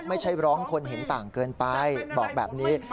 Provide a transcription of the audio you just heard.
ไม่ใช่ร้องคนเห็นต่างเกินไปบอกแบบนี้